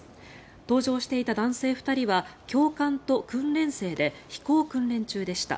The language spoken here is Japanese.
搭乗していた男性２人は教官と訓練生で飛行訓練中でした。